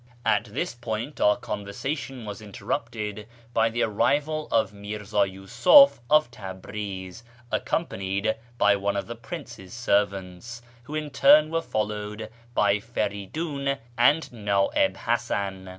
At this point our conversation was interrupted by tlic arrival of Mi'rz;i Yusuf of Tabriz accompanied by one of the prince's servants, who in turn were followed by Feri'dun and Naib Hasan.